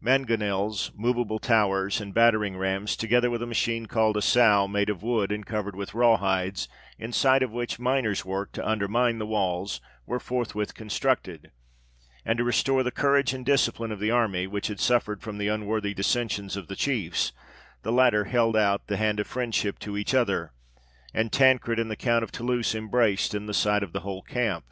Mangonels, moveable towers, and battering rams, together with a machine called a sow, made of wood, and covered with raw hides, inside of which miners worked to undermine the walls, were forthwith constructed; and to restore the courage and discipline of the army, which had suffered from the unworthy dissensions of the chiefs, the latter held out the hand of friendship to each other, and Tancred and the Count of Toulouse embraced in sight of the whole camp.